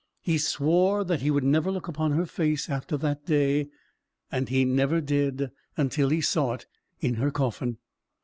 He swore that he would never look upon her face after that day: and he never did, until he saw it in her coffin.